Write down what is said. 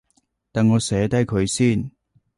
等我寫低佢先